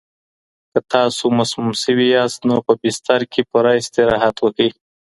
که تاسو مسموم شوي یاست، نو په بستر کې پوره استراحت وکړئ.